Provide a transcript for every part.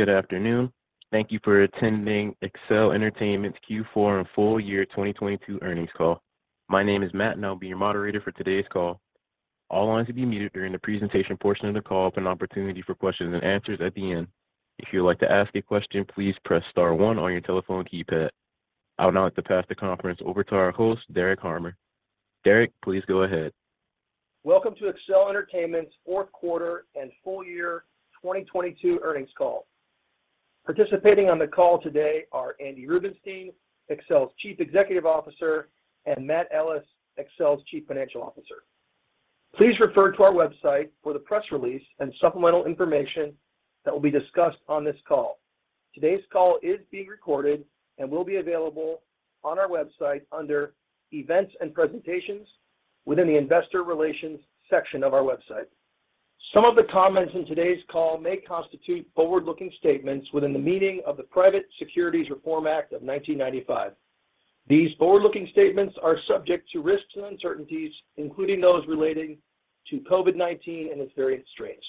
Good afternoon. Thank you for attending Accel Entertainment's Q4 and full year 2022 earnings call. My name is Matt. I'll be your moderator for today's call. All lines will be muted during the presentation portion of the call with an opportunity for questions and answers at the end. If you would like to ask a question, please press star one on your telephone keypad. I would now like to pass the conference over to our host, Derek Harmer. Derek, please go ahead. Welcome to Accel Entertainment's fourth quarter and full year 2022 earnings call. Participating on the call today are Andy Rubenstein, Accel's Chief Executive Officer, and Matt Ellis, Accel's Chief Financial Officer. Please refer to our website for the press release and supplemental information that will be discussed on this call. Today's call is being recorded and will be available on our website under Events and Presentations within the Investor Relations section of our website. Some of the comments in today's call may constitute forward-looking statements within the meaning of the Private Securities Reform Act of 1995. These forward-looking statements are subject to risks and uncertainties, including those relating to COVID-19 and its various strains.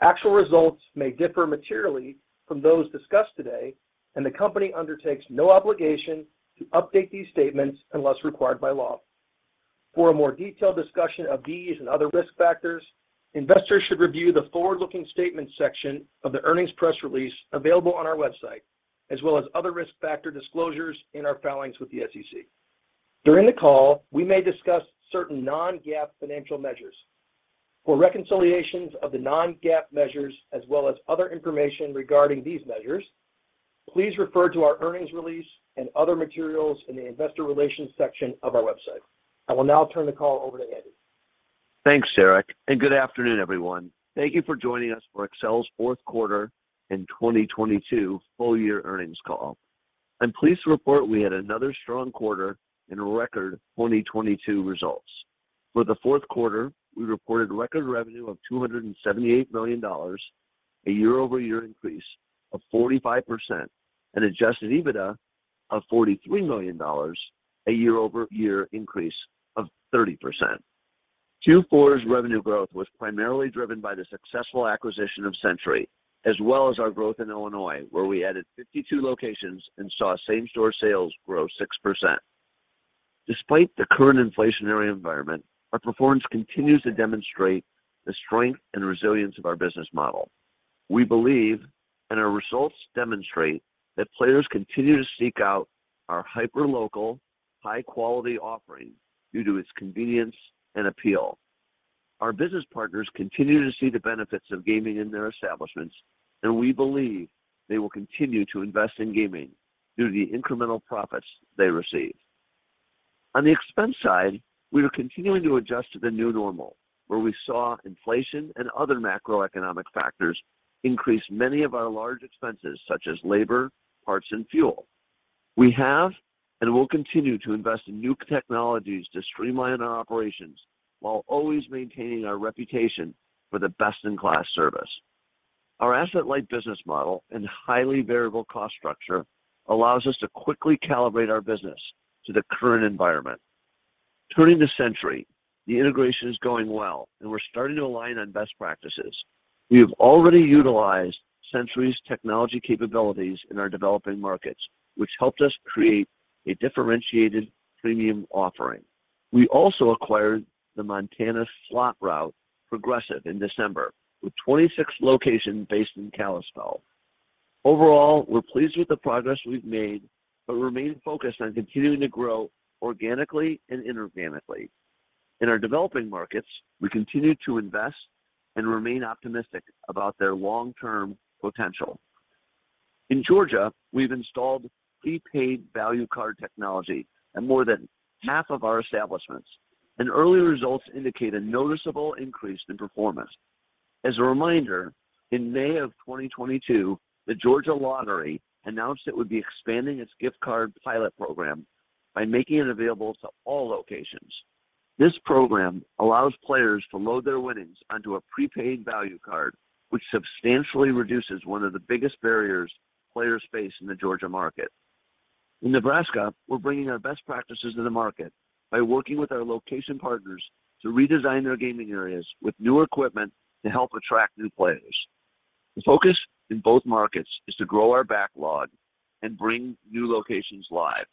Actual results may differ materially from those discussed today. The company undertakes no obligation to update these statements unless required by law. For a more detailed discussion of these and other risk factors, investors should review the forward-looking statement section of the earnings press release available on our website, as well as other risk factor disclosures in our filings with the SEC. During the call, we may discuss certain non-GAAP financial measures. For reconciliations of the non-GAAP measures as well as other information regarding these measures, please refer to our earnings release and other materials in the Investor Relations section of our website. I will now turn the call over to Andy. Thanks, Derek, and good afternoon, everyone. Thank you for joining us for Accel's fourth quarter and 2022 full year earnings call. I'm pleased to report we had another strong quarter and record 2022 results. For the fourth quarter, we reported record revenue of $278 million, a year-over-year increase of 45%, and adjusted EBITDA of $43 million, a year-over-year increase of 30%. Q4's revenue growth was primarily driven by the successful acquisition of Century, as well as our growth in Illinois, where we added 52 locations and saw same-store sales grow 6%. Despite the current inflationary environment, our performance continues to demonstrate the strength and resilience of our business model. We believe, and our results demonstrate, that players continue to seek out our hyperlocal, high-quality offering due to its convenience and appeal. Our business partners continue to see the benefits of gaming in their establishments, and we believe they will continue to invest in gaming due to the incremental profits they receive. On the expense side, we are continuing to adjust to the new normal, where we saw inflation and other macroeconomic factors increase many of our large expenses, such as labor, parts, and fuel. We have and will continue to invest in new technologies to streamline our operations while always maintaining our reputation for the best-in-class service. Our asset-light business model and highly variable cost structure allows us to quickly calibrate our business to the current environment. Turning to Century, the integration is going well and we're starting to align on best practices. We have already utilized Century's technology capabilities in our developing markets, which helped us create a differentiated premium offering. We also acquired the Montana slot route, Progressive, in December, with 26 locations based in Kalispell. Overall, we're pleased with the progress we've made, but remain focused on continuing to grow organically and inorganically. In our developing markets, we continue to invest and remain optimistic about their long-term potential. In Georgia, we've installed prepaid value card technology at more than half of our establishments, and early results indicate a noticeable increase in performance. As a reminder, in May of 2022, the Georgia Lottery announced it would be expanding its gift card pilot program by making it available to all locations. This program allows players to load their winnings onto a prepaid value card, which substantially reduces one of the biggest barriers players face in the Georgia market. In Nebraska, we're bringing our best practices to the market by working with our location partners to redesign their gaming areas with newer equipment to help attract new players. The focus in both markets is to grow our backlog and bring new locations live.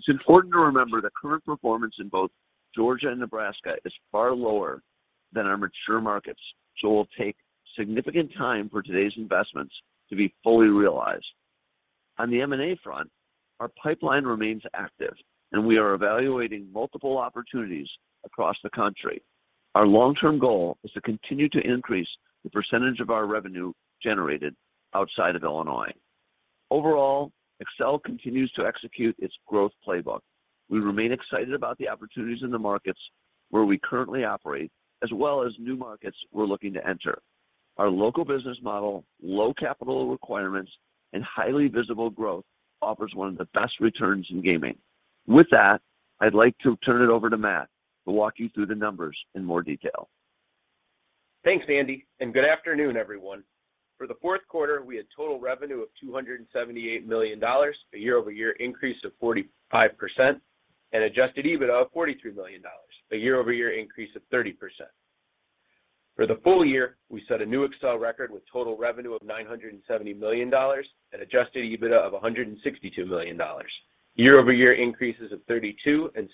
It's important to remember that current performance in both Georgia and Nebraska is far lower than our mature markets, so it will take significant time for today's investments to be fully realized. On the M&A front, our pipeline remains active, and we are evaluating multiple opportunities across the country. Our long-term goal is to continue to increase the percentage of our revenue generated outside of Illinois. Overall, Accel continues to execute its growth playbook. We remain excited about the opportunities in the markets where we currently operate, as well as new markets we're looking to enter. Our local business model, low capital requirements, and highly visible growth offers one of the best returns in gaming. With that, I'd like to turn it over to Matt to walk you through the numbers in more detail. Thanks, Andy. Good afternoon, everyone. For the fourth quarter, we had total revenue of $278 million, a year-over-year increase of 45%, and adjusted EBITDA of $43 million, a year-over-year increase of 30%. For the full year, we set a new Accel record with total revenue of $970 million and adjusted EBITDA of $162 million. Year-over-year increases of 32% and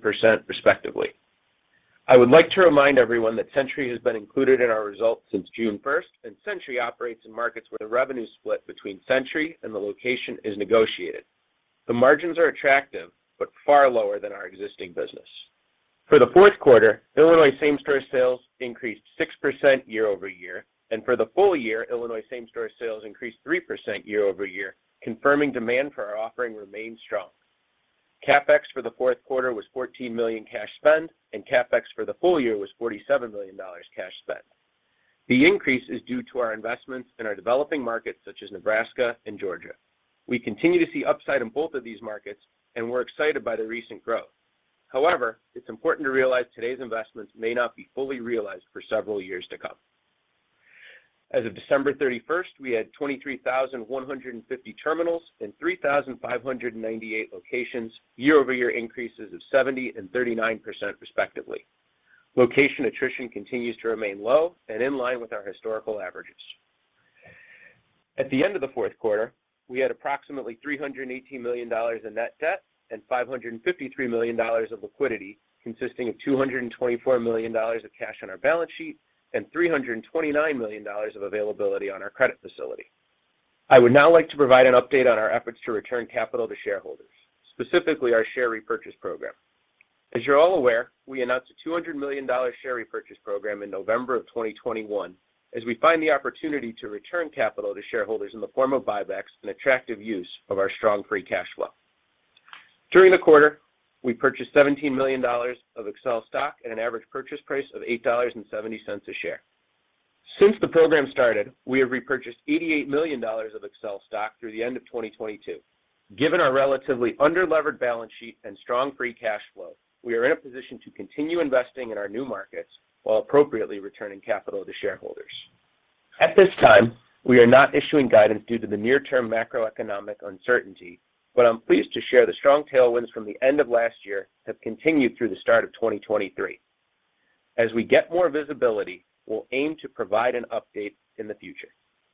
16% respectively. I would like to remind everyone that Century has been included in our results since June 1st. Century operates in markets where the revenue split between Century and the location is negotiated. The margins are attractive but far lower than our existing business. For the fourth quarter, Illinois same-store sales increased 6% year-over-year. For the full year, Illinois same-store sales increased 3% year-over-year, confirming demand for our offering remained strong. CapEx for the fourth quarter was $14 million cash spend. CapEx for the full year was $47 million cash spend. The increase is due to our investments in our developing markets such as Nebraska and Georgia. We continue to see upside in both of these markets, and we're excited by the recent growth. However, it's important to realize today's investments may not be fully realized for several years to come. As of December 31st, we had 23,150 terminals in 3,598 locations, year-over-year increases of 70% and 39% respectively. Location attrition continues to remain low and in line with our historical averages. At the end of the fourth quarter, we had approximately $318 million in net debt and $553 million of liquidity, consisting of $224 million of cash on our balance sheet and $329 million of availability on our credit facility. I would now like to provide an update on our efforts to return capital to shareholders, specifically our share repurchase program. As you're all aware, we announced a $200 million share repurchase program in November of 2021 as we find the opportunity to return capital to shareholders in the form of buybacks an attractive use of our strong free cash flow. During the quarter, we purchased $17 million of Accel stock at an average purchase price of $8.70 a share. Since the program started, we have repurchased $88 million of Accel stock through the end of 2022. Given our relatively under-levered balance sheet and strong free cash flow, we are in a position to continue investing in our new markets while appropriately returning capital to shareholders. At this time, we are not issuing guidance due to the near-term macroeconomic uncertainty, but I'm pleased to share the strong tailwinds from the end of last year have continued through the start of 2023. As we get more visibility, we'll aim to provide an update in the future.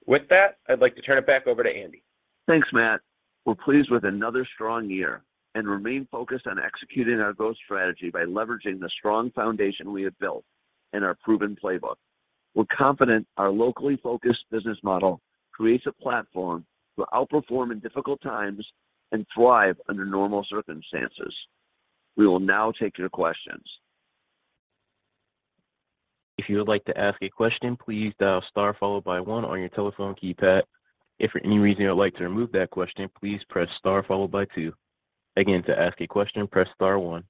With that, I'd like to turn it back over to Andy. Thanks, Matt. We're pleased with another strong year and remain focused on executing our growth strategy by leveraging the strong foundation we have built and our proven playbook. We're confident our locally focused business model creates a platform to outperform in difficult times and thrive under normal circumstances. We will now take your questions. If you would like to ask a question, please dial star followed by one on your telephone keypad. If for any reason you would like to remove that question, please press star followed by two. Again, to ask a question, press star one.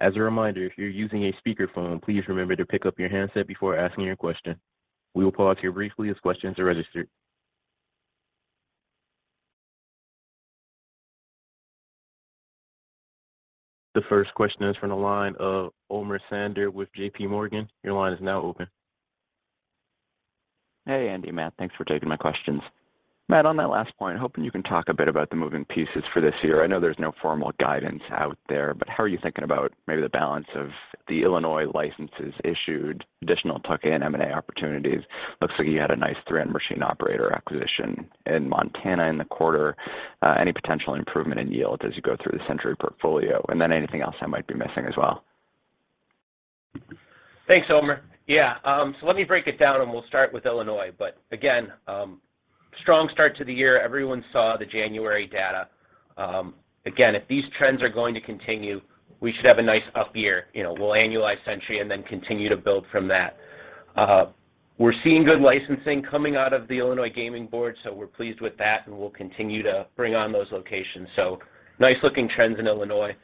As a reminder, if you're using a speakerphone, please remember to pick up your handset before asking your question. We will pause here briefly as questions are registered. The first question is from the line of Omer Sander with JP Morgan. Your line is now open. Hey, Andy, Matt. Thanks for taking my questions. Matt, on that last point, hoping you can talk a bit about the moving pieces for this year. I know there's no formal guidance out there, but how are you thinking about maybe the balance of the Illinois licenses issued, additional tuck-in M&A opportunities? Looks like you had a nice three-end machine operator acquisition in Montana in the quarter. Any potential improvement in yield as you go through the Century portfolio? Anything else I might be missing as well? Thanks, Omer. Yeah, let me break it down. We'll start with Illinois. Again, strong start to the year. Everyone saw the January data. Again, if these trends are going to continue, we should have a nice up year. You know, we'll annualize Century then continue to build from that. We're seeing good licensing coming out of the Illinois Gaming Board. We're pleased with that. We'll continue to bring on those locations. Nice-looking trends in Illinois.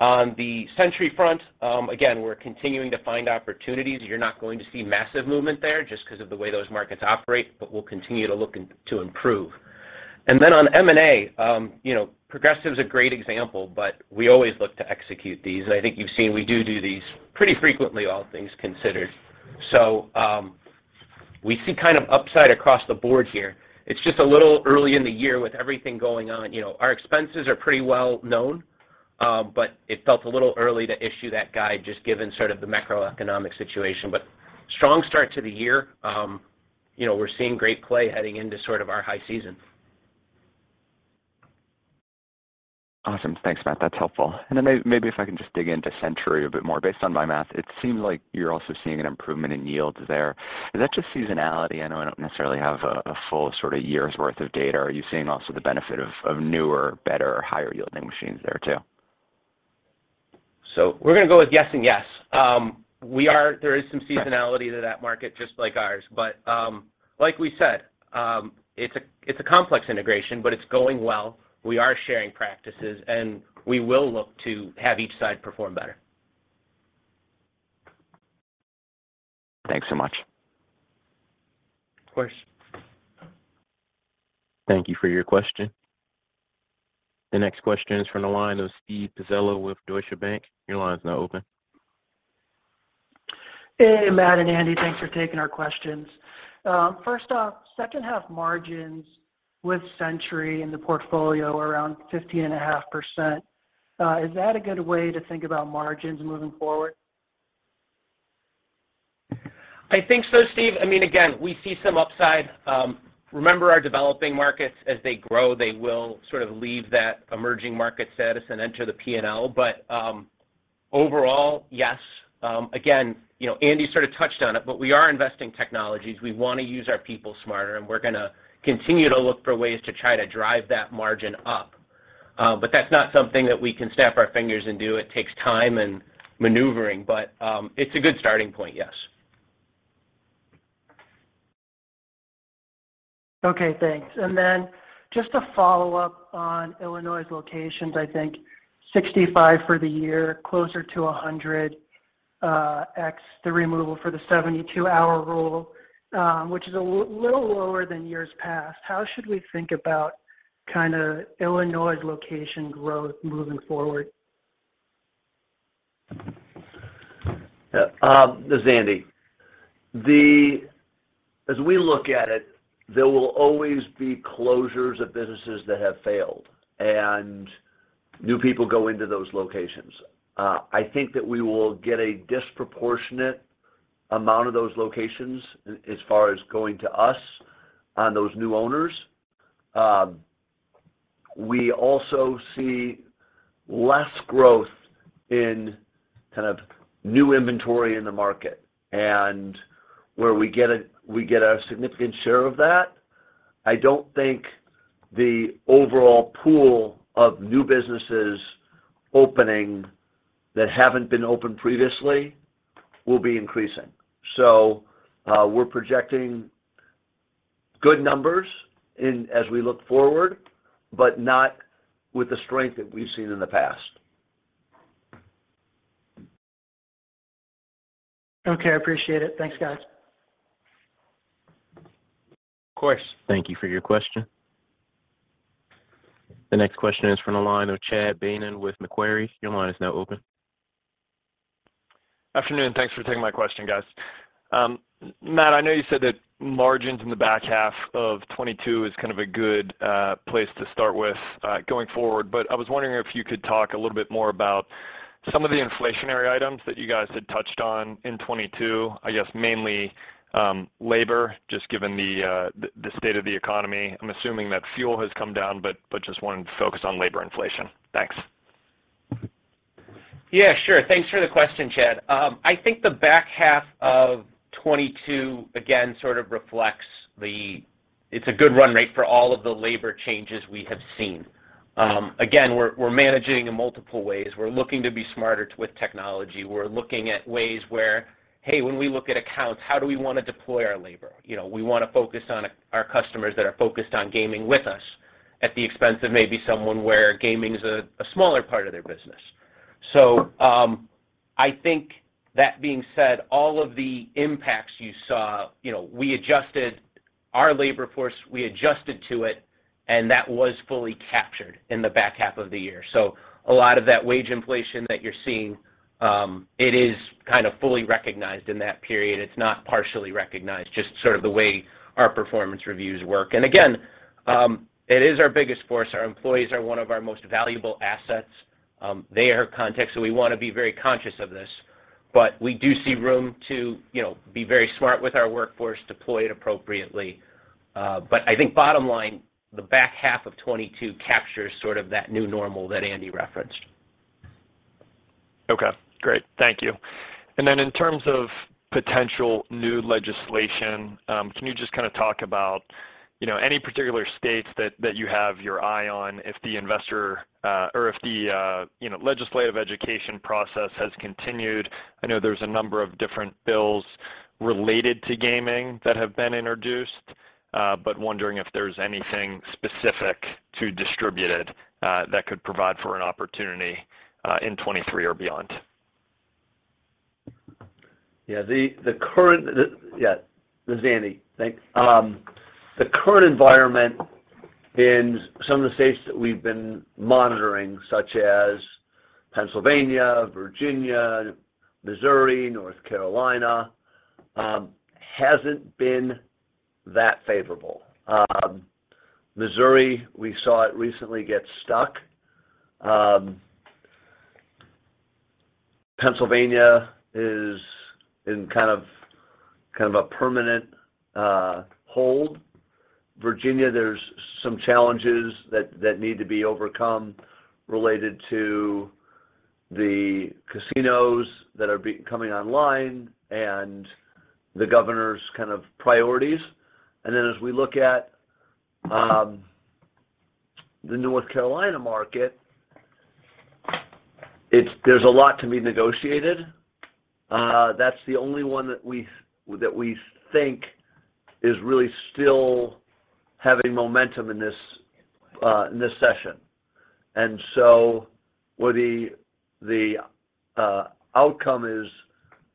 On the Century front, again, we're continuing to find opportunities. You're not going to see massive movement there just 'cause of the way those markets operate. We'll continue to look to improve. Then on M&A, you know, Progressive's a great example. We always look to execute these. I think you've seen we do these pretty frequently, all things considered. We see kind of upside across the board here. It's just a little early in the year with everything going on. You know, our expenses are pretty well known, but it felt a little early to issue that guide just given sort of the macroeconomic situation. Strong start to the year. You know, we're seeing great play heading into sort of our high season. Awesome. Thanks, Matt. That's helpful. Then maybe if I can just dig into Century a bit more. Based on my math, it seems like you're also seeing an improvement in yields there. Is that just seasonality? I know I don't necessarily have a full sort of year's worth of data. Are you seeing also the benefit of newer, better, higher-yielding machines there too? we're gonna go with yes and yes. there is some seasonality... Right... to that market just like ours. Like we said, it's a complex integration, but it's going well. We are sharing practices, and we will look to have each side perform better. Thanks so much. Of course. Thank you for your question. The next question is from the line of Steven Pizzella with Deutsche Bank. Your line is now open. Hey, Matt and Andy. Thanks for taking our questions. First off, second half margins with Century in the portfolio around 50.5%? Is that a good way to think about margins moving forward? I think so, Steve. I mean, again, we see some upside. remember our developing markets, as they grow, they will sort of leave that emerging market status and enter the P&L. Overall, yes. again, you know, Andy sort of touched on it, but we are investing technologies. We wanna use our people smarter, and we're gonna continue to look for ways to try to drive that margin up. That's not something that we can snap our fingers and do. It takes time and maneuvering, but, it's a good starting point, yes. Okay, thanks. Just to follow up on Illinois locations, I think 65 for the year, closer to 100, ex the removal for the 72-hour rule, which is a little lower than years past. How should we think about kinda Illinois location growth moving forward? Yeah. This is Andy. As we look at it, there will always be closures of businesses that have failed and new people go into those locations. I think that we will get a disproportionate amount of those locations as far as going to us on those new owners. We also see less growth in kind of new inventory in the market and where we get a significant share of that. I don't think the overall pool of new businesses opening that haven't been opened previously will be increasing. We're projecting good numbers as we look forward, but not with the strength that we've seen in the past. Okay, I appreciate it. Thanks, guys. Of course. Thank you for your question. The next question is from the line of Chad Beynon with Macquarie. Your line is now open. Afternoon, thanks for taking my question, guys. Matt, I know you said that margins in the back half of 2022 is kind of a good place to start with going forward, but I was wondering if you could talk a little bit more about some of the inflationary items that you guys had touched on in 2022. I guess mainly, labor, just given the state of the economy. I'm assuming that fuel has come down, but just wanted to focus on labor inflation. Thanks. Yeah, sure. Thanks for the question, Chad. I think the back half of 2022 again, sort of reflects. It's a good run rate for all of the labor changes we have seen. again, we're managing in multiple ways. We're looking to be smarter with technology. We're looking at ways where, hey, when we look at accounts, how do we wanna deploy our labor? You know, we wanna focus on our customers that are focused on gaming with us at the expense of maybe someone where gaming is a smaller part of their business. I think that being said, all of the impacts you saw, you know, we adjusted our labor force, we adjusted to it, and that was fully captured in the back half of the year. A lot of that wage inflation that you're seeing, it is kind of fully recognized in that period. It's not partially recognized, just sort of the way our performance reviews work. Again, it is our biggest force. Our employees are one of our most valuable assets. They are context, so we wanna be very conscious of this. We do see room to, you know, be very smart with our workforce, deploy it appropriately. I think bottom line, the back half of 2022 captures sort of that new normal that Andy referenced. Okay, great. Thank you. In terms of potential new legislation, can you just kind of talk about, you know, any particular states that you have your eye on if the investor, or if the, you know, legislative education process has continued? I know there's a number of different bills related to gaming that have been introduced, wondering if there's anything specific to distributed that could provide for an opportunity in 2023 or beyond. Yeah, the current. Yeah. This is Andy. Thanks. The current environment in some of the states that we've been monitoring, such as Pennsylvania, Virginia, Missouri, North Carolina, hasn't been that favorable. Missouri, we saw it recently get stuck. Pennsylvania is in kind of a permanent hold. Virginia, there's some challenges that need to be overcome related to the casinos that are coming online and the governor's kind of priorities. As we look at the North Carolina market, there's a lot to be negotiated. That's the only one that we think is really still having momentum in this session. While the outcome is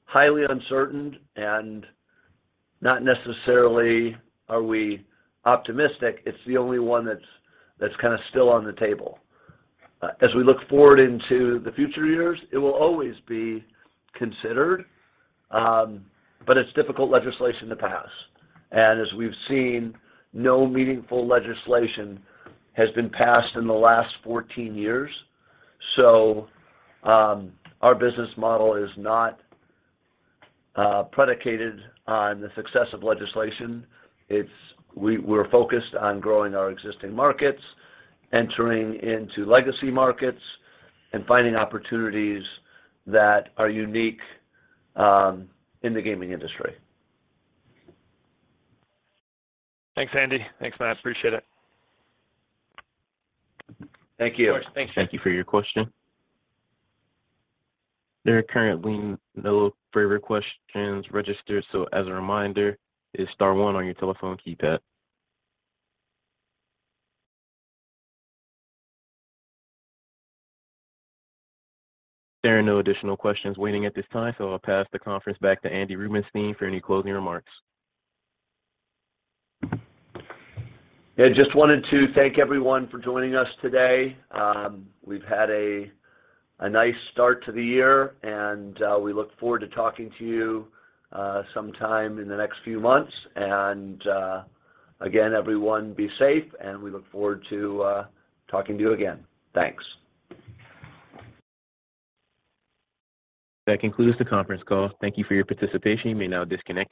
highly uncertain and not necessarily are we optimistic, it's the only one that's kinda still on the table. As we look forward into the future years, it will always be considered, but it's difficult legislation to pass. As we've seen, no meaningful legislation has been passed in the last 14 years. Our business model is not predicated on the success of legislation. We're focused on growing our existing markets, entering into legacy markets, and finding opportunities that are unique in the gaming industry. Thanks, Andy. Thanks, Matt. Appreciate it. Thank you. Of course. Thank you. Thank you for your question. There are currently no further questions registered. As a reminder, it's star one on your telephone keypad. There are no additional questions waiting at this time. I'll pass the conference back to Andy Rubenstein for any closing remarks. Yeah, just wanted to thank everyone for joining us today. We've had a nice start to the year, and we look forward to talking to you sometime in the next few months. Again, everyone be safe, and we look forward to talking to you again. Thanks. That concludes the conference call. Thank you for your participation. You may now disconnect.